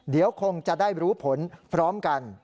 เดี๋ยวคงจะได้รู้ผลพร้อมกัน